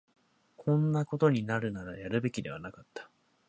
こんなことになるなら、やるべきではなかった